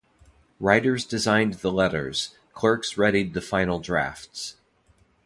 Writers designed the letters; clerks readied the final drafts.